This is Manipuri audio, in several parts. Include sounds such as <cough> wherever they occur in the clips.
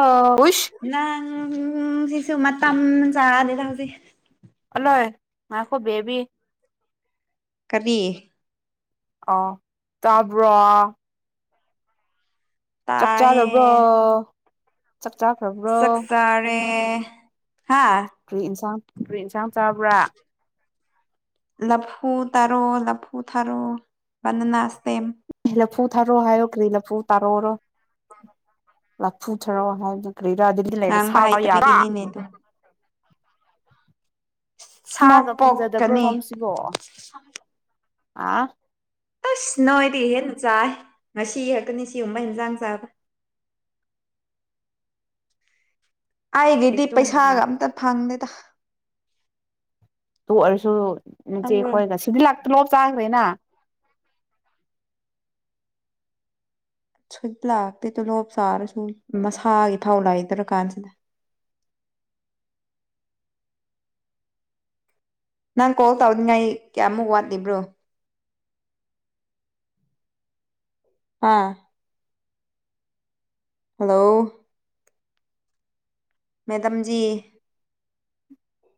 ꯑꯣ ꯋꯤꯥꯁ ꯅꯪ ꯁꯤꯁꯨ ꯃꯇꯝ ꯆꯥꯗꯦꯗ ꯍꯧꯖꯤꯛ ꯑꯂꯣꯏ ꯉꯥꯏꯈꯣ ꯕꯦꯕꯤ ꯀꯔꯤ ꯑꯣ ꯇꯥꯕ꯭ꯔꯣ ꯆꯥꯛ ꯆꯥꯔꯕꯣ ꯇꯥꯏꯌꯦ ꯆꯥꯛ ꯆꯥꯈ꯭ꯔꯕ__ ꯆꯛꯆꯥꯔꯦ ꯍꯥꯥ ꯀꯔꯤ ꯏꯟꯁꯥꯡ ꯀꯔꯤ ꯏꯟꯁꯥꯡ ꯆꯥꯕ꯭ꯔꯥ <unintelligible> ꯂꯐꯨ ꯇꯔꯣ ꯂꯐꯨ ꯊꯔꯣ ꯕꯅꯅꯥ ꯁ꯭ꯇꯦꯝ ꯂꯐꯨ ꯊꯥꯔꯣ ꯍꯥꯏꯌꯣ ꯀꯔꯤ ꯂꯐꯨ ꯇꯥꯔꯣꯔꯣ ꯂꯐꯨ ꯊꯥꯔꯣ ꯍꯥꯏꯕꯗꯤ ꯀꯔꯤꯔꯥ ꯑꯗꯨꯗꯤ ꯂꯩꯔꯦ ꯉꯥꯡꯕ ꯁꯥꯕ ꯌꯥꯕ <unintelligible> ꯍꯩꯇꯕꯒꯤꯅꯤꯅꯦ ꯑꯗꯨ ꯏꯁꯃꯣꯛ ꯁꯥꯒ ꯐꯪꯖꯗꯕ꯭ꯔꯣ ꯄꯣꯛꯀꯅꯤ ꯁꯣꯝ ꯁꯤꯕꯣ ꯑ <unintelligible> ꯑꯁ ꯅꯣꯏꯗꯒꯤ ꯍꯦꯟꯅ ꯆꯥꯏꯌꯦ ꯉꯁꯤ ꯍꯦꯛꯇꯅꯤ ꯁꯤꯒꯨꯝꯕ ꯍꯦꯟꯖꯥꯡ ꯆꯥꯕ <unintelligible> ꯑꯩꯒꯤꯗꯤ ꯄꯩꯁꯥꯒ ꯑꯝꯇ ꯐꯪꯗꯦꯗ ꯇꯨ ꯑꯣꯏꯔꯁꯨ ꯈꯪꯕ꯭ꯔꯣ ꯅꯆꯦꯈꯣꯏꯒ ꯁꯤꯗꯤ ꯂꯥꯛꯇ ꯂꯣꯞ ꯆꯥꯈ꯭ꯔꯦꯅ ꯁꯨꯛ ꯂꯥꯛꯇꯦ ꯇꯣꯂꯣꯞ ꯆꯥꯔꯁꯨ ꯃꯁꯥꯒꯤ ꯐꯥꯎ ꯂꯩꯇ꯭ꯔ ꯀꯥꯟꯁꯤꯗ ꯅꯪ ꯀꯣꯜ ꯇꯧꯅꯤꯡꯉꯥꯏ ꯀꯌꯥꯃꯨꯛ ꯋꯥꯠꯂꯤꯕ꯭ꯔꯣ ꯍꯥꯥ ꯍꯜꯂꯣ ꯃꯦꯗꯝꯖꯤ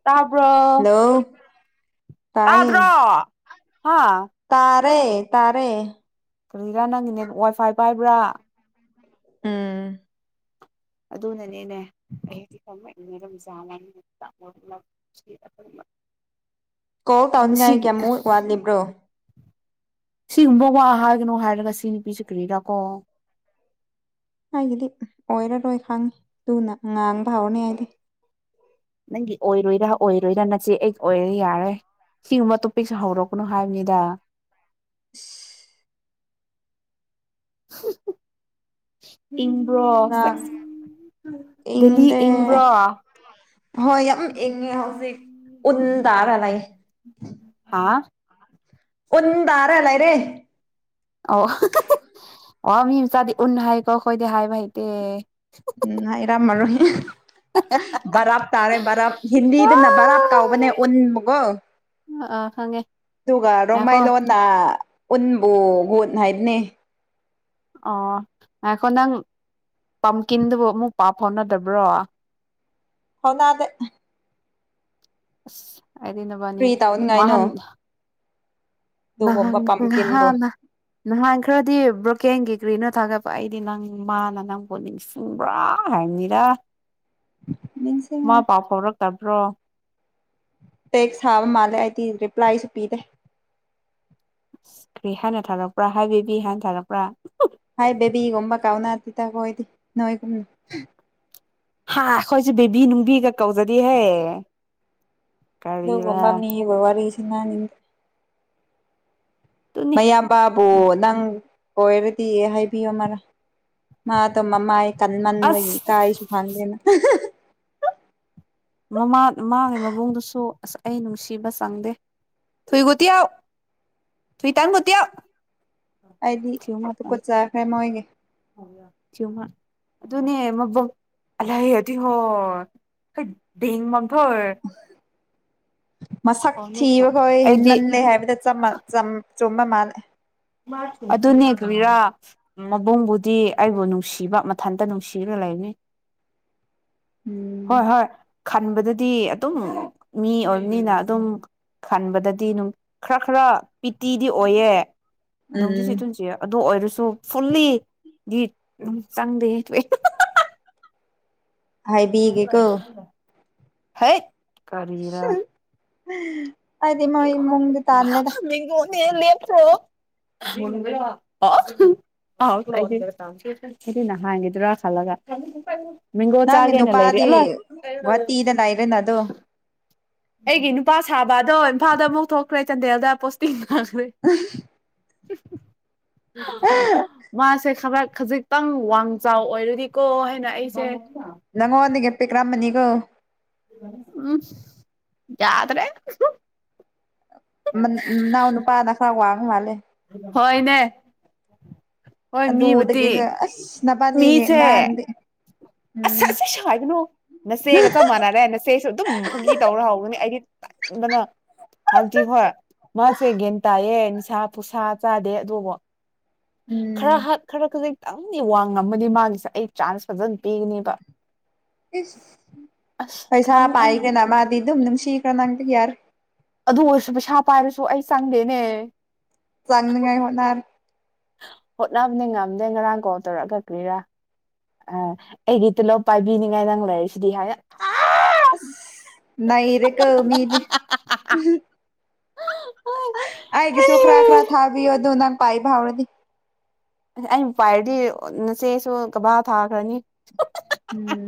ꯇꯥꯕ꯭ꯔꯣ ꯍꯜꯂꯣ ꯇꯥꯏꯌꯦ ꯇꯥꯗ꯭ꯔꯣ ꯍꯥ ꯇꯥꯔꯦ ꯇꯥꯔꯦ ꯀꯔꯤꯔꯥ ꯅꯪꯒꯤ ꯅꯦꯠ ꯋꯥꯏ ꯐꯥꯏ ꯄꯥꯏꯕ꯭ꯔꯥ ꯎꯝ ꯑꯗꯨꯅꯅꯤꯅꯦ ꯑꯩꯗꯤ ꯀꯃꯥꯏ <unintelligible> <unintelligible> ꯀꯣꯜ ꯇꯧꯅꯤꯡꯉꯥꯏ ꯀꯌꯥꯃꯨꯛ ꯋꯥꯠꯂꯤꯕ꯭ꯔꯣ ꯁꯤꯒꯨꯝꯕ ꯋꯥ ꯍꯥꯏꯒꯅꯨ ꯍꯥꯏꯔꯒ ꯁꯤ ꯅꯨꯄꯤꯁꯦ ꯀꯔꯤꯔꯥ ꯀꯣ ꯑꯩꯒꯤꯗꯤ ꯑꯣꯏꯔꯔꯣꯏ ꯈꯪꯉꯤ ꯇꯨꯅ ꯉꯥꯡꯕ ꯍꯧꯥꯔꯅꯤ ꯑꯩꯗꯤ ꯅꯪꯒꯤ ꯑꯣꯏꯔꯣꯏꯔꯥ ꯑꯣꯏꯔꯣꯏꯔꯥ ꯅꯆꯦ ꯑꯩꯒꯤ ꯑꯣꯏꯔꯗꯤ ꯌꯥꯔꯦ ꯁꯤꯒꯨꯝꯕ ꯇꯣꯄꯤꯛꯁꯦ ꯍꯧꯔꯛꯀꯅꯨ ꯍꯥꯏꯕꯅꯤꯗ ꯏꯁ ꯏꯪꯕ꯭ꯔꯣ ꯉꯥꯡ ꯁꯦꯁ ꯗꯦꯜꯂꯤ ꯏꯪꯗꯦ ꯏꯪꯕ꯭ꯔꯣ ꯍꯣꯏ ꯌꯥꯝ ꯏꯪꯉꯦ ꯍꯧꯖꯤꯛ ꯎꯟ ꯇꯥꯔ ꯂꯩ ꯍꯥꯥ ꯎꯟ ꯇꯥꯔ ꯂꯩꯔꯦ ꯑꯣ <unintelligible> ꯑꯣ ꯃꯤꯆꯥꯗꯤ ꯎꯟ ꯍꯥꯏ ꯀꯣ ꯈꯣꯏꯗꯤ ꯍꯥꯏꯕ ꯍꯩꯇꯦ ꯎꯝ ꯍꯩꯔꯝꯃꯔꯣꯏ ꯕꯔꯞ ꯇꯥꯔꯦ ꯕꯔꯞ ꯍꯤꯟꯗꯅ ꯕꯔꯞ ꯑꯥ ꯇꯧꯕꯅꯦ ꯎꯟ ꯃꯒꯣ ꯑꯥ ꯈꯪꯉꯦ ꯑꯗꯨꯒ ꯉꯥꯏꯈꯣ ꯔꯣꯡꯃꯩꯏ ꯂꯣꯟꯅ ꯎꯟꯕꯨ ꯒꯨꯟꯠ ꯍꯥꯏꯕꯅꯦ ꯑꯣ ꯉꯥꯏꯈꯣ ꯅꯪ ꯄꯝꯀꯤꯟꯗꯨꯕꯨ ꯑꯃꯨꯛ ꯄꯥꯎ ꯐꯥꯎꯅꯗꯕ꯭ꯔꯣ ꯐꯥꯎꯅꯗꯦ ꯑꯁ ꯑꯩꯗꯤ ꯅꯕꯥꯟꯅꯤ ꯀ꯭ꯔꯤ ꯇꯧꯅꯤꯡꯉꯥꯏꯅꯣ ꯃꯥꯍꯥꯟ ꯅꯍꯥꯟ ꯑꯗꯨꯒꯨꯝꯕ ꯄꯝꯀꯤꯟꯕꯨ ꯉꯍꯥꯟꯅ ꯅꯍꯥꯟ ꯈ꯭ꯔꯗꯤ ꯕ꯭ꯔꯣꯀꯦꯟꯒꯤ ꯀ꯭ꯔꯤꯅꯣ ꯊꯥꯒꯠꯄ ꯑꯩꯗꯤ ꯅꯪ ꯃꯥꯅ ꯅꯪ ꯄꯣꯟꯅꯤꯡꯁ ꯁꯪꯕ꯭ꯔꯥ ꯍꯥꯏꯅꯤꯔ ꯃꯥ ꯅꯤꯡꯁꯤꯡꯉꯔꯣꯏ ꯄꯥꯎ ꯐꯥꯎꯔꯛꯇꯕ꯭ꯔꯣ ꯇꯦꯛꯁ ꯊꯥꯕ ꯃꯥꯜꯂꯦ ꯑꯩꯗꯤ ꯔꯤꯄ꯭ꯂꯥꯏꯁꯨ ꯄꯤꯗꯦ ꯀ꯭ꯔꯤ ꯍꯥꯏꯅ ꯊꯥꯔꯛꯄ꯭ꯔꯥ ꯍꯥꯏ ꯕꯦꯕꯤ ꯍꯥꯏꯅ ꯊꯥꯔꯛꯄ꯭ꯔꯥ ꯍꯥꯏ ꯕꯦꯕꯤꯒꯨꯝꯕ ꯀꯧꯅꯗꯦꯗ ꯑꯩꯈꯣꯏꯗꯤ ꯅꯣꯏꯒꯨꯝꯅ ꯍꯥ ꯑꯩꯈꯣꯏꯖꯨ ꯕꯦꯕꯤ ꯅꯨꯡꯕꯤꯒ ꯀꯧꯖꯗꯤꯍꯦ ꯑꯗꯨꯒꯨꯝꯕ ꯃꯤꯒ ꯋꯥꯔꯤ ꯁꯥꯟꯅ ꯅꯤꯡꯗꯦ ꯑꯗꯨꯅꯤ ꯃꯌꯥꯝ ꯕꯥꯕꯨ ꯅꯪ ꯑꯣꯏꯔꯗꯤ ꯍꯥꯏꯕꯤꯌꯣ ꯃꯔꯥ ꯃꯥꯗꯣ ꯃꯃꯥꯏ ꯀꯟꯃꯟꯕꯒꯤ ꯑꯁ ꯏꯀꯥꯏꯁꯨ ꯈꯪꯗꯦꯅ ꯃꯃꯥ ꯃꯥꯒꯤ ꯃꯕꯨꯡꯗꯨꯁꯨ ꯑꯁ ꯑꯩ ꯅꯨꯡꯁꯤꯕ ꯆꯪꯗꯦ <unintelligible> ꯑꯩꯗꯤ ꯊꯤꯌꯨ ꯃꯥ ꯇꯥꯟ ꯇꯨꯀꯠ ꯆꯈ꯭ꯔꯦ ꯃꯣꯏꯒꯤ <unintelligible> <unintelligible> ꯃꯁꯛ ꯊꯤꯕꯈꯣꯏ ꯑꯩꯗꯤ ꯍꯦꯟꯃꯜꯂꯦ ꯍꯥꯏꯕꯗ ꯆꯝꯃ ꯆꯝ ꯆꯨꯝꯕ ꯃꯥꯜꯂꯦ ꯑꯗꯨꯅꯦ ꯀꯔꯤꯔꯥ ꯃꯕꯨꯡꯕꯨꯗꯤ ꯑꯩꯕꯨ ꯅꯨꯡꯁꯤꯕ ꯃꯊꯟꯇ ꯅꯨꯡꯁꯤꯔ ꯂꯩꯅꯤ ꯍꯣꯏ ꯎꯝ ꯍꯣꯏ ꯈꯟꯕꯗꯨꯗꯤ ꯑꯗꯨꯝ ꯃꯤ ꯑꯣꯏꯕꯅꯤꯅ ꯑꯗꯨꯝ ꯈꯟꯕꯗꯗꯤ ꯅꯨ ꯈꯔ ꯈꯔ ꯄꯤꯇꯤꯗꯤ ꯑꯣꯏꯌꯦ ꯎꯝ <unintelligible> ꯑꯗꯨ ꯑꯣꯏꯔꯁꯨ ꯐꯨꯜꯂꯤ ꯗꯤ ꯑꯗꯨꯝ ꯆꯪꯗꯦꯍꯦ ꯇꯣꯛꯑꯦ ꯍꯥꯏꯕꯤꯒꯦꯀꯣ ꯍꯩꯠ ꯀꯔꯤꯔ <inaudible> ꯃꯣꯏ ꯏꯃꯨꯡꯗꯤ ꯇꯥꯜꯂꯦꯗ <unintelligible> <unintelligible> <inaudible> ꯑꯩꯗꯤ ꯅꯍꯥꯟꯒꯤꯗꯨꯔ ꯈꯜꯂꯒ ꯃꯦꯡꯒꯣ ꯅꯪꯒꯤ ꯆꯥꯒꯦꯅꯦ ꯂꯩꯔꯤ ꯅꯨꯄꯥꯗꯤ <unintelligible> <unintelligible> ꯑꯩꯒꯤ ꯅꯨꯄꯥ ꯁꯥꯕ ꯑꯗꯣ ꯏꯝꯐꯥꯜꯗ ꯑꯃꯨꯛ ꯊꯣꯛꯈ꯭ꯔꯦ ꯆꯥꯟꯗꯦꯜꯗ ꯄꯣꯁꯇꯤꯡ ꯐꯪꯈ꯭ꯔꯦ ꯃꯥꯁꯦ ꯈꯔ ꯈꯖꯤꯛ ꯈꯤꯇꯪ ꯋꯥꯡ ꯆꯥꯎ ꯑꯣꯏꯔꯨꯗꯤꯀꯣ ꯍꯥꯏꯅ ꯑꯩꯁꯦ ꯅꯪꯉꯣꯟꯗꯒꯤ ꯄꯤꯛ ꯀꯔꯝꯃꯅꯤꯀꯣ ꯎꯝ ꯌꯥꯗ꯭ꯔꯦ ꯃꯟ ꯅꯅꯥꯎ ꯅꯨꯄꯥꯅ ꯈꯔ ꯋꯥꯡꯕ ꯃꯥꯜꯂꯦ ꯍꯣꯏꯅꯦ ꯍꯣꯏ ꯃꯤꯕꯨꯗꯤ ꯑꯗꯨꯗꯒꯤꯁꯨ ꯑꯁ ꯅꯕꯥꯅꯤꯒꯤ ꯃꯤꯁꯦ ꯉꯥꯡꯗꯤ ꯑꯁ ꯎꯝ ꯑꯁꯤ ꯁꯥꯏꯒꯅꯨ ꯅꯆꯦꯒ ꯆꯞ ꯃꯥꯟꯅꯔꯦ ꯅꯆꯦꯁꯨ ꯑꯗꯨꯝ ꯐꯥꯒꯤ ꯇꯧꯔ ꯍꯧꯒꯅꯤ ꯑꯩꯗꯤ ꯇꯟꯕꯅ ꯍꯥꯏꯕꯗꯤ ꯍꯣꯏ ꯃꯥꯁꯦ ꯒꯌꯥꯟ ꯇꯥꯏꯌꯦ ꯅꯤꯁꯥ ꯄꯨꯁꯥ ꯆꯥꯗꯦ ꯑꯗꯨꯕꯨ ꯎꯝ ꯈꯔ ꯍꯥꯛ ꯈꯔ ꯈꯖꯤꯛꯇꯪꯗꯤ ꯋꯥꯡ ꯉꯝꯃꯅꯤ ꯃꯥꯒꯤꯁꯦ ꯑꯩ ꯆꯥꯟꯁ ꯐꯖꯅ ꯄꯤꯒꯅꯦꯕ ꯏꯁ ꯄꯩꯁꯥ ꯈꯟ ꯑꯩ ꯄꯥꯏꯒꯅ ꯃꯥꯗꯤ ꯑꯗꯨꯝ ꯅꯨꯡꯁꯤ ꯈ꯭ꯔ ꯅꯪꯗ ꯌꯥꯔ ꯑꯗꯨ ꯑꯣꯏꯔꯁꯨ ꯄꯩꯁꯥ ꯄꯥꯏꯔꯁꯨ ꯑꯩ ꯆꯪꯗꯦꯅꯦ ꯆꯪꯅꯤꯉꯥꯏ ꯍ‌ꯣꯠꯅꯔ‌ꯦ ꯍꯣꯠꯅꯕꯅꯤ ꯉꯝꯗꯦ ꯉꯔꯥꯡ ꯀꯣ ꯇꯧꯔꯛ ꯀꯛ ꯀ꯭ꯔꯤꯔꯥ ꯑ ꯑꯩꯒꯤ ꯇꯨꯜꯂꯞ ꯄꯥꯏꯕꯤꯅꯤꯡꯉꯥꯏ ꯅꯪ ꯂꯩꯔꯤꯁꯤꯗꯤ ꯍꯥꯏꯅ ꯅꯩꯔꯦꯀ‌ꯣ ꯃꯤꯗꯤ ꯑꯩꯒꯤꯁꯨ ꯈ꯭ꯔꯥ ꯈ꯭ꯔꯥ ꯊꯥꯕꯤꯑꯣ ꯑꯗꯨ ꯅꯪ ꯄꯥꯏꯕ ꯍꯧꯔꯗꯤ ꯑꯩꯅ ꯄꯥꯏꯔꯗꯤ ꯅꯆꯦꯁꯨ ꯒꯕꯥ ꯊꯥꯈ꯭ꯔꯅꯤ ꯎꯝ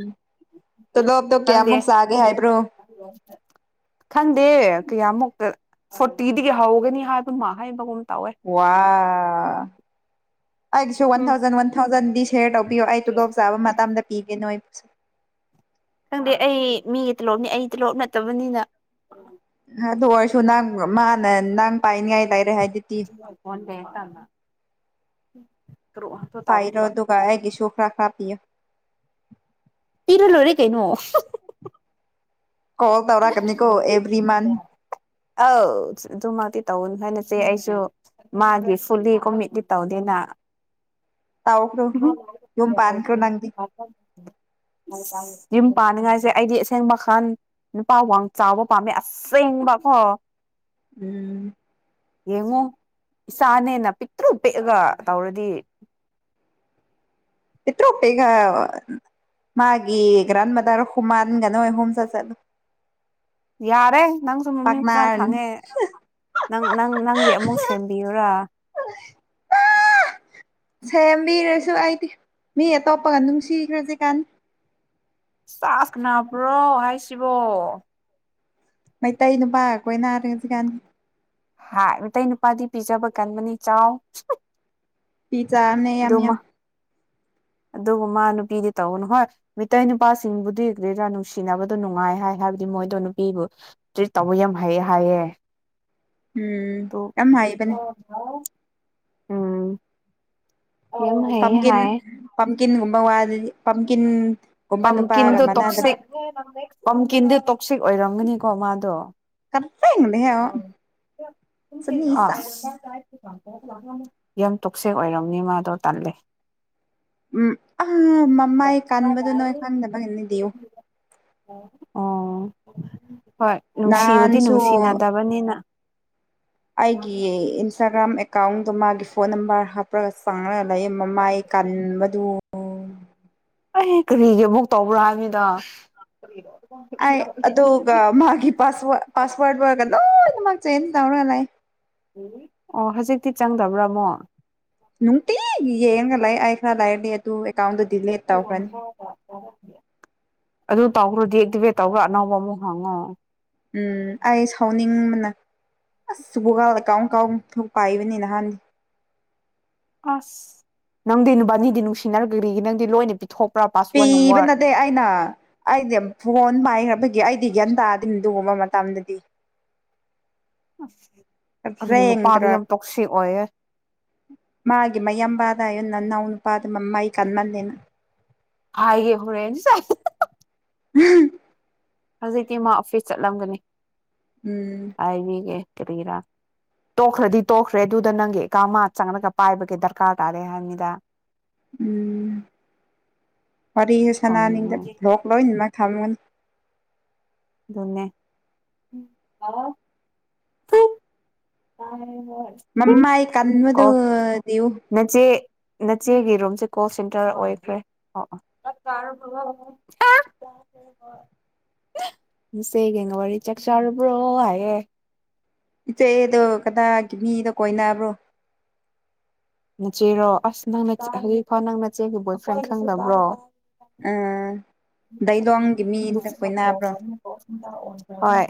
ꯇꯂꯣꯞꯇꯣ ꯈꯪꯗꯦ ꯀꯌꯥꯃꯨꯛ ꯆꯥꯒꯦ ꯍꯥꯏꯕ꯭ꯔꯣ <unintelligible> ꯈꯪꯗꯦ ꯀꯌꯥꯃꯨꯛꯇ ꯐꯣꯔꯇꯤꯗꯒꯤ ꯍꯧꯒꯅꯤ ꯍꯥꯏꯕꯅꯃ ꯍꯥꯏꯕꯒꯨꯝ ꯇꯧꯋꯦ ꯋꯥ ꯑꯩꯁꯨ ꯋꯥꯟ ꯎꯝ ꯊꯥꯎꯖꯟ ꯋꯥꯟ ꯊꯥꯎꯖꯟꯗꯤ ꯁꯌꯔ ꯇꯧꯕꯤꯌꯣ ꯑꯩ ꯇꯨꯗꯣꯞ ꯆꯥꯕ ꯃꯇꯝꯗ ꯄꯤꯒꯦ ꯅꯣꯏ ꯑꯩ ꯈꯪꯗꯦ ꯑꯩ ꯃꯤꯒꯤ ꯇꯣꯂꯣꯞꯅꯤ ꯑꯩ ꯇꯤꯂꯣꯞ ꯅꯠꯇꯕꯅꯤꯅ ꯑꯗꯨ ꯑꯣꯏꯔꯁꯨ ꯅꯪ ꯃꯥꯅ ꯅꯪ ꯄꯥꯏꯅꯤꯉꯥꯏ ꯂꯩꯔꯦ ꯍꯥꯏꯗꯨꯗꯤ ꯐꯟꯦ <unintelligible> ꯄꯥꯏꯔꯣ ꯑꯗꯨꯒ ꯑꯩꯒꯤꯁꯨ ꯈꯔꯥ ꯈꯔꯥ ꯄꯤꯌ‌ꯣ ꯄꯤꯔ ꯂ‌ꯣꯏꯔꯦ ꯀꯩꯩꯅ‌ꯣ ꯀꯣꯜ ꯇꯧꯔꯛꯀꯅꯤꯀꯣ ꯑꯦꯕ꯭ꯔꯤ ꯃꯟ ꯑꯎ ꯑꯗꯨꯃꯛꯇꯤ ꯇꯧꯅꯨ ꯅꯆ‌ꯦ ꯑꯩꯁꯨ ꯃꯥꯒꯤ ꯐꯨꯜꯂꯤ ꯀꯣꯃꯤꯠꯂꯤ ꯇꯧꯗꯦꯅ ꯇꯧꯈ꯭ꯔꯣ ꯌꯨꯝ ꯄꯥꯟꯈ꯭ꯔꯣ ꯅꯪꯗꯤ <unintelligible> ꯌꯨꯝ ꯄꯥꯅꯤꯡꯉꯥꯏꯁꯦ ꯑꯩꯗꯤ ꯑꯁꯦꯡꯕ ꯈꯥꯟ ꯅꯨꯄꯥ ꯋꯥꯡ ꯆꯥꯎꯕ ꯄꯥꯝꯃꯦ ꯑꯁꯦꯡꯕ ꯀꯣ ꯎꯝ ꯌꯦꯡꯉꯣ ꯏꯆꯥꯅꯦꯅ ꯄꯤꯛꯇ꯭ꯔꯨ ꯄꯤꯛꯑꯒ ꯇꯧꯔꯗꯤ ꯄꯠꯇ꯭ꯔꯣꯄꯦꯒ ꯃꯥꯒꯤ ꯒ꯭ꯔꯥꯟ ꯃꯗꯔ ꯍꯨꯃꯥꯟꯒꯅꯣ ꯍꯣꯝ ꯆ ꯆꯂ ꯌꯥꯔꯦ ꯅꯪꯁꯨ ꯃꯃꯤꯡ ꯐꯖꯅ ꯄꯥꯛꯅꯔꯅꯤ ꯈꯪꯉꯦ ꯅꯪ ꯅꯪ ꯅꯪꯒꯤ ꯑꯃꯨꯛ ꯁꯦꯝꯕꯤꯌꯨꯔꯥ <unintelligible> ꯃꯥ ꯁꯦꯝꯕꯤꯔꯁꯨ ꯑꯩꯗꯤ ꯃꯤ ꯑꯇꯣꯞꯄꯒ ꯅꯨꯡꯁꯤꯈ꯭ꯔꯁꯤ ꯀꯥꯟ ꯆꯥꯛꯥꯁꯅꯥꯕ꯭ꯔꯣ ꯍꯥꯏꯁꯤꯕꯣ ꯃꯩꯇꯩ ꯅꯨꯄꯥꯒ ꯀ‌ꯣꯏꯅꯔ‌ꯦ ꯍꯧꯖꯤꯛ ꯀꯥꯟ ꯍꯥꯏ ꯃꯩꯇꯩ ꯅꯨꯄꯥꯗꯤ ꯄꯤꯖꯕ ꯀꯟꯕꯅꯤ ꯆꯥꯎ ꯄꯤꯖꯥ ꯅ‌ꯦ ꯌꯥꯝ ꯑꯗꯨꯃ ꯌꯥꯝ ꯑꯗꯨꯕꯨ ꯃꯥ ꯅꯨꯄꯤꯗꯤ ꯇꯧꯅꯨ ꯍꯣꯏ ꯃꯤꯇꯩꯩ ꯅꯨꯄꯥꯁꯤꯡꯕꯨꯗꯤ ꯒꯔꯤꯔꯥ ꯅꯨꯡꯁꯤꯅꯕꯗꯣ ꯅꯨꯡꯉꯥꯏ ꯍꯥꯏ ꯍꯥꯏꯕꯗꯤ ꯃꯣꯏꯗꯣ ꯅꯨꯄꯤꯕꯨ ꯇ꯭ꯔꯤꯠ ꯇꯧꯕ ꯌꯥꯝ ꯍꯥꯏꯌꯦ ꯍꯥꯏꯌꯦ ꯎꯝ ꯇꯨ ꯌꯥꯝ ꯍꯩꯕꯅꯦ <unintelligible> ꯎꯝ ꯌꯥꯝ ꯄꯝ ꯍꯩꯌꯦ ꯀꯤꯟ ꯍꯥꯏ ꯄꯝ ꯀꯤꯟ ꯀꯨꯝꯕ ꯋꯥꯗꯤ ꯄꯝ ꯀꯤꯟ ꯕꯝꯀꯤꯟꯗꯣ ꯇꯣꯛꯁꯤꯛ ꯕꯝꯀꯤꯟꯗꯣ ꯇꯣꯛꯁꯤꯛ ꯑꯣꯏꯔꯝꯒꯅꯤꯀꯣ ꯃꯥꯗꯣ ꯀꯄ ꯂꯩ ꯍꯥꯏ <unintelligible> ꯑꯁ ꯌꯥꯝ ꯇꯣꯛꯁꯦꯛ ꯑꯣꯏꯔꯝꯅꯤ ꯃꯥꯗꯣ ꯇꯜꯂꯦ ꯎꯝ ꯑꯥ ꯃꯃꯥꯏ ꯀꯟꯕꯗꯨ ꯅꯣꯏ ꯈꯟꯗꯕꯒꯤꯅꯤꯗꯨ ꯑꯣ ꯍꯣꯏ ꯅꯨꯡꯁꯤꯕꯨꯗꯤ ꯅꯍꯥꯟꯁꯨ ꯅꯨꯡꯁꯤꯅꯗꯕꯅꯤꯅ ꯑꯩꯒꯤ ꯏꯟꯁꯇꯥꯒ꯭ꯔꯥꯝ ꯑꯦꯀꯥꯎꯟꯗꯣ ꯃꯥꯒꯤ ꯐꯣꯟ ꯅꯝꯕꯔ ꯍꯥꯞꯄ ꯈꯔ ꯆꯪꯉꯒ ꯂꯩꯌꯦ ꯃꯃꯥꯏ ꯀꯟꯕꯗꯨ ꯑꯩ ꯀꯔꯤꯒꯤ ꯑꯃꯨꯛ ꯇꯧꯕ꯭ꯔꯥ ꯍꯥꯏꯕꯅꯤꯗ ꯐꯔꯣꯣ <unintelligible> ꯑ ꯑꯗꯨ ꯑꯗꯨꯒ ꯃꯥꯒꯤ ꯄꯥꯁꯋꯥ ꯄꯥꯁꯋꯔꯗ ꯋꯥꯕꯒ ꯂꯣꯢ ꯃꯥ ꯆꯦꯟꯖ ꯇꯧꯔꯒ ꯂꯩ ꯑꯣ ꯍꯧꯖꯤꯛꯇꯤ ꯆꯪꯗꯕ꯭ꯔꯥ ꯑꯃꯨꯛ ꯅꯨꯡꯇꯤ ꯌꯦꯡꯉꯒ ꯂꯩ ꯑꯩ ꯈꯔ ꯂꯩꯔꯗꯤ ꯑꯗꯨ ꯑꯦꯀꯥꯎꯟꯗ ꯗꯤꯂꯦꯠ ꯇꯧꯈ꯭ꯔꯅꯤ ꯑꯗꯨ ꯇꯥꯎꯈ꯭ꯔꯣꯗꯤ ꯍꯛꯇꯨꯕꯦꯠ ꯇꯧꯈ꯭ꯔꯥ ꯑꯅꯧꯕ ꯑꯃꯨꯛ ꯍꯪꯉꯣ ꯎꯝ ꯑꯩ ꯁꯥꯎꯅꯤꯡꯕꯅ ꯑꯁ ꯕꯣꯒꯥꯜꯗ ꯀꯥꯎ ꯀꯥꯎ ꯊꯣꯛ ꯄꯥꯏꯕꯅꯤ ꯅꯍꯥꯟꯗꯤ ꯑꯁ ꯅꯪꯗꯤ ꯅꯨꯕꯥꯅꯤꯗꯤ ꯅꯨꯡꯁꯤꯅꯔꯒ ꯀꯔꯤꯒꯤ ꯅꯪꯗꯤ ꯂꯣꯏꯅ ꯄꯤꯊꯣꯛ ꯄꯤꯕ ꯅꯠꯇꯦ ꯑꯩꯅ ꯑꯩꯗꯤ ꯐꯣꯟ ꯄꯥꯏꯈ꯭ꯔꯕꯒꯤ ꯑꯩꯗꯤ ꯒ꯭ꯌꯥꯟ ꯇꯥꯗꯦ ꯑꯗꯨꯒꯨꯝꯕ ꯃꯇꯝꯗꯗꯤ ꯑ ꯑꯗꯨ ꯅꯨꯄꯥꯗꯨ ꯔꯦꯡꯗ꯭ꯔ ꯌꯥꯝ ꯇꯣꯛꯁꯤꯛ ꯑꯣꯏꯌꯦ ꯃꯥꯒꯤ ꯃꯌꯥꯝꯕꯥꯗ ꯍꯥꯏꯌꯣ ꯅꯅꯥꯎ ꯅꯨꯄꯥꯗꯨ ꯃ ꯃꯩ ꯀꯟꯃꯜꯂꯦꯅ ꯍꯥꯏꯒꯦ ꯍꯣꯔꯦꯟ ꯁꯦ ꯎꯝ <unintelligible> ꯍꯧꯖꯤꯛꯇꯤ ꯃꯥ ꯑꯣꯐꯤꯁ ꯆꯠꯂꯝꯒꯅꯤ ꯎꯝ ꯍꯥꯏꯕꯤꯒꯦ ꯀꯔꯤꯔꯥ ꯇꯣꯛꯈ꯭ꯔꯗꯤ ꯇꯣꯛꯈ꯭ꯔꯦ ꯑꯗꯨꯗ ꯅꯪꯒꯤ ꯑꯦꯛꯒꯥꯎ ꯆꯪꯂꯒ ꯄꯥꯏꯕꯒꯤ ꯗꯔꯀꯥꯔ ꯇꯥꯔꯦ ꯍꯥꯏꯕꯅꯤꯗ ꯎꯝ ꯋꯥꯔꯤꯁꯨ ꯁꯅꯥꯅꯤꯗꯕꯒꯤ ꯁꯥꯎꯅꯤꯡꯉꯦ ꯕꯔꯣꯛ ꯂꯣꯏꯅ ꯃꯥꯥꯛ ꯊꯥꯝꯒꯅꯤ ꯑꯗꯨꯅꯦ <unintelligible> ꯇꯥꯢꯌꯦ ꯍꯣꯏ ꯅꯃꯥꯏ ꯀꯟꯕꯗꯣ <unintelligible> ꯅꯆꯦ ꯅꯆꯦꯒꯤ ꯔꯣꯝꯁꯦ ꯀꯣꯜ ꯁꯦꯟꯇꯔ ꯑꯣꯏꯈ꯭ꯔꯦ ꯑꯣ <unintelligible> ꯁꯤꯒ <unintelligible> ꯆꯁꯥꯕ꯭ꯔꯣ ꯍꯥꯏ ꯏꯆꯦꯗꯣ ꯀꯗꯥꯒꯤ ꯃꯤꯗꯣ ꯀꯣꯏꯅꯕ꯭ꯔꯣ ꯅꯆꯦꯔꯣ ꯑꯁ ꯅꯪꯅ ꯍꯧꯖꯤꯛꯐꯥꯎ ꯅꯪ ꯅꯆꯦꯒꯤ ꯕꯣꯏ ꯐ꯭ꯔꯦꯟ ꯈꯪꯗꯕ꯭ꯔꯣ ꯎꯝ ꯗꯥꯢꯂꯣꯡꯒꯤ ꯃꯤꯒ ꯀꯣꯢꯅꯕ꯭ꯔꯣ ꯍꯣꯏ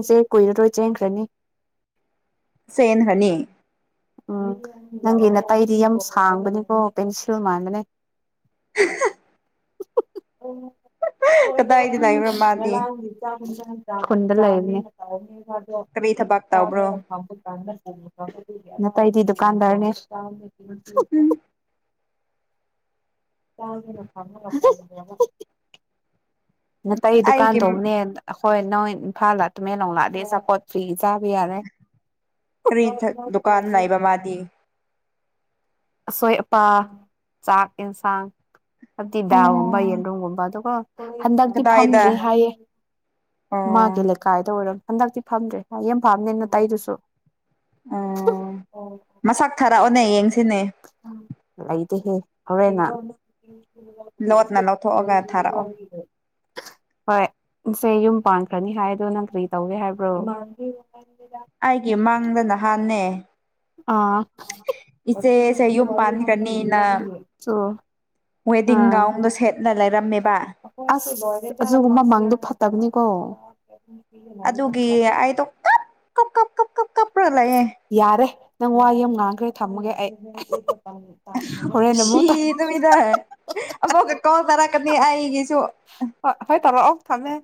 ꯏꯆꯦ ꯀꯨꯏꯔꯔꯣꯏ ꯆꯦꯟꯈ꯭ꯔꯅꯤ ꯆꯦꯟꯈ꯭ꯔꯅꯤ ꯎꯝ ꯅꯪꯒꯤ ꯅꯥꯇꯩꯗꯤ ꯌꯥꯝ ꯁꯥꯡꯕꯅꯤꯀꯣ ꯄꯦꯟꯁꯤꯜ ꯃꯥꯟꯕꯅꯦ <inaudible> ꯀꯗꯥꯏꯗ ꯂꯩꯕ꯭ꯔꯣ ꯃꯥꯗꯤ ꯃꯂꯥꯡ <unintelligible> ꯈꯨꯟꯗ ꯀꯔꯤ ꯊꯕꯛ ꯇꯧꯕ꯭ꯔꯣ ꯂꯩꯕꯅꯤꯅꯦ ꯅꯇꯩꯗꯤ ꯗꯨꯀꯥꯟꯗ꯭ꯔꯅꯦ ꯎꯝ <unintelligible> ꯅꯇꯩ ꯗꯨꯀꯥꯟ ꯑꯩꯒꯤ ꯇꯧꯕꯅꯦ ꯍꯣꯏ ꯅꯪ ꯏꯝꯐꯥꯜꯗ ꯇꯨꯃꯦꯟ ꯂꯣꯡ ꯂꯥꯛꯑꯗꯤ ꯑꯆꯥꯄꯣꯠ ꯐꯔꯤ ꯆꯕꯥ ꯌꯥꯔꯦ ꯀꯥꯟ ꯂꯩꯕ ꯃꯥꯗꯤ ꯑꯁꯣꯏ ꯑꯄꯥ ꯆꯥꯛ ꯌꯦꯟꯁꯥꯡ ꯍꯥꯏꯕꯗꯤ ꯗꯥꯒꯨꯝꯕ ꯑꯣ ꯌꯦꯟꯔꯨꯝꯒꯨꯝꯕ ꯑꯗꯨꯒ ꯍꯟꯗꯛꯇꯤ ꯐꯝꯗ꯭ꯔꯦ ꯀꯗꯥꯏꯗ ꯍꯥꯏꯌꯦ ꯃꯥꯒꯤ ꯑꯣ ꯂꯩꯀꯥꯏꯗ ꯑꯣꯏꯔꯣ ꯍꯟꯗꯛꯇꯤ ꯐꯝꯗ꯭ꯔꯦ ꯍꯌꯦꯡ ꯐꯝꯅꯦ ꯅꯇꯩꯗꯨꯁꯨ <unintelligible> ꯑꯣ ꯑꯣ ꯃꯁꯛ ꯊꯥꯔꯛꯑꯣꯅꯦ ꯌꯦꯡꯁꯤꯅꯦ ꯂꯩꯇꯦ ꯍꯦ ꯍꯣꯔꯦꯟ ꯉꯥꯛ <unintelligible> ꯂꯣꯠꯅ ꯂꯧꯊꯣꯛꯑꯒ ꯊꯥꯔꯛꯑꯣ <unintelligible> <inaudible> ꯍꯣꯏꯁꯦ ꯌꯨꯝ ꯄꯥꯟꯈ꯭ꯔꯅꯤ ꯍꯥꯏꯗꯣ ꯅꯪ ꯀꯔꯤ ꯇꯧꯒꯦ ꯍꯥꯏꯕ꯭ꯔꯣ <unintelligible> ꯑꯩꯒꯤ ꯃꯡꯗ ꯅꯍꯥꯟꯅꯦ ꯑꯥ ꯏꯆꯦꯁꯦ ꯌꯨꯝ ꯄꯥꯟꯒꯅꯤꯅ ꯆꯣ ꯋꯦꯗꯤꯡ ꯑꯥ ꯒꯥꯎꯟꯒ ꯁꯦꯠꯂ ꯂꯩꯔꯝꯃꯦꯕ ꯑꯁ ꯑꯗꯨꯒꯨꯝꯕ ꯃꯡꯗꯨ ꯐꯠꯇꯕꯅꯤꯀꯣ ꯑꯗꯨꯒꯤ ꯑꯩꯗꯨ ꯀꯞ ꯀꯞ ꯀꯞ ꯀꯞ ꯀꯞ ꯀꯞ ꯔ ꯂꯩꯌꯦ ꯌꯥꯔꯦ ꯅꯪ ꯋꯥ ꯌꯥꯝ ꯉꯥꯡꯈ꯭ꯔꯦ ꯊꯝꯃꯒꯦ ꯑꯩ ꯍꯣꯔꯦꯟ ꯁꯤ ꯑꯃꯨꯛ ꯗꯣꯋꯤꯗ ꯑꯃꯨꯛꯀ ꯀꯣꯜ ꯇꯥꯔꯛꯀꯅꯤ ꯑꯩꯒꯤꯁꯨ ꯍꯣ ꯍꯣꯏ ꯇꯧꯔꯛꯑꯣ ꯊꯝꯃꯦ